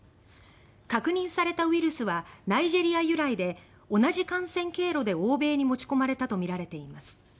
確認されたウイルスはナイジェリア由来で同じ感染経路で欧米に持ち込まれたとみられています。